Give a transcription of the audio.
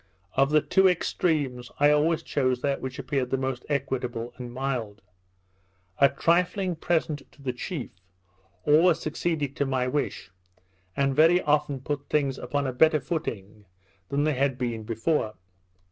Of the two extremes I always chose that which appeared the most equitable and mild. A trifling present to the chief always succeeded to my wish, and very often put things upon a better footing than they had been before.